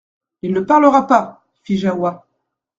Il ne parlera pas ! fit Jahoua.